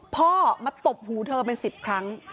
พ่อมาตบหูเธอเป็น๑๐ครั้ง